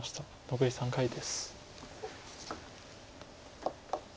残り３回です。